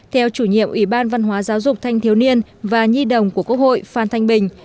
theo chủ nhiệm ủy ban văn hóa giáo dục thanh thiếu niên và nhi đồng của quốc hội phan thanh bình